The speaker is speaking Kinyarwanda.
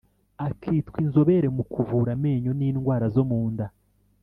akitwa inzobere mu kuvura amenyo n indwara zo munda